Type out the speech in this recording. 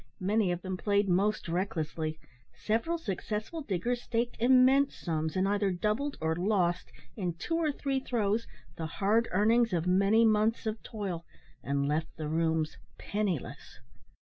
Many of them played most recklessly. Several successful diggers staked immense sums, and either doubled or lost, in two or three throws, the hard earnings of many months of toil, and left the rooms penniless.